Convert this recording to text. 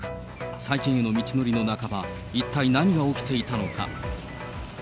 再建への道のりの半ば、一体何が起きていたのか。